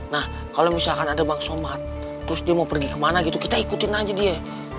nah kalau misalkan ada bang somad terus dia mau pergi kemana gitu kita ikutin aja dia